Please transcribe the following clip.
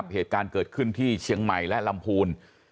เหตุการณ์เกิดขึ้นที่เชียงใหม่และลำพูน